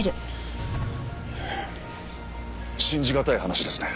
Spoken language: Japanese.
信じ難い話ですね。